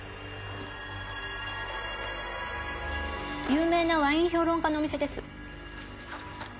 有名なワイン評論家のお店です。